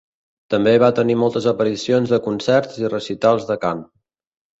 També va tenir moltes aparicions de concerts i recitals de cant.